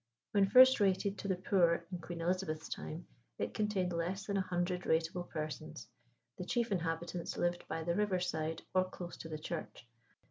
When first rated to the poor in Queen Elizabeth's time it contained less than a hundred rateable persons. The chief inhabitants lived by the river side or close to the church.